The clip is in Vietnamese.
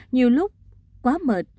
nhiều lúc quá mệt